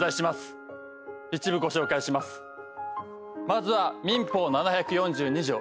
まずは民法７４２条。